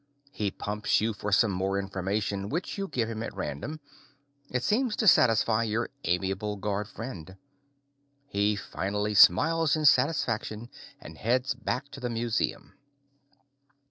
He pumps you for some more information, which you give him at random. It seems to satisfy your amiable guard friend. He finally smiles in satisfaction and heads back to the museum.